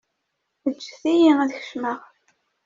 Ǧǧet-iyi ad kecmeɣ.